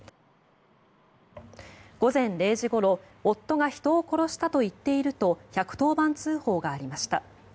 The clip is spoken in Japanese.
午前０時ごろ夫が人を殺したと言っていると１１０番通報がありました。